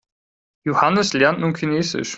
Johannes lernt nun Chinesisch.